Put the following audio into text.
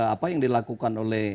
apa yang dilakukan oleh